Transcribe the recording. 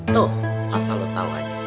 tuh masa lo tau aja